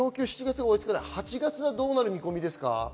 ８月はどうなる見込みですか？